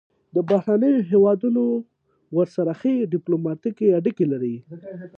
بهرني هیوادونه ورسره ښې ډیپلوماتیکې اړیکې لري.